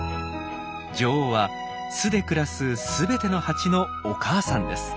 女王は巣で暮らす全てのハチのお母さんです。